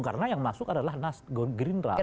karena yang masuk adalah gerindra